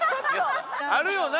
あるよな？